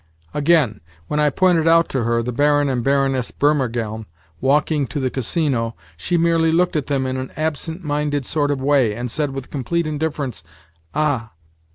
Again, when I pointed out to her the Baron and Baroness Burmergelm walking to the Casino, she merely looked at them in an absent minded sort of way, and said with complete indifference, "Ah!"